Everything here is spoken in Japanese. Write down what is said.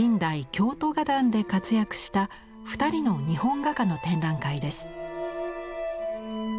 京都画壇で活躍した２人の日本画家の展覧会です。